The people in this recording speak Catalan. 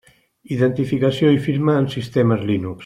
Identificació i firma en sistemes Linux.